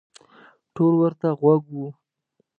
ټول ورته غوږ وو.